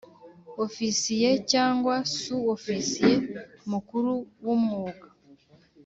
Ofisiye cyangwa Su Ofisiye Mukuru w umwuga